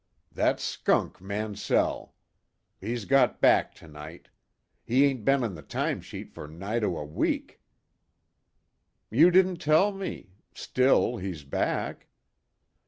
"That skunk Mansell. He's got back to night. He ain't been on the time sheet for nigh to a week." "You didn't tell me? Still, he's back."